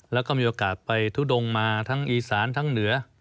แล้วก็มีโอกาสไปทุดงมาทั้งอีสานทั้งเหนือ